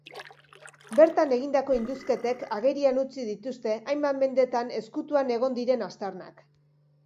Bertan egindako indusketek agerian utzi dituzte hainbat mendetan ezkutuan egon diren aztarnak.